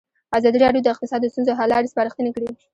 ازادي راډیو د اقتصاد د ستونزو حل لارې سپارښتنې کړي.